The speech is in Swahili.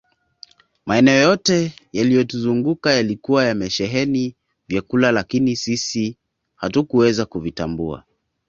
Maeneo yote yaliyotuzunguka yalikuwa yamesheheni vyakula lakini sisi hatukuweza kuvitambua